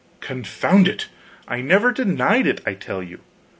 "Confound it, I've never denied it, I tell you!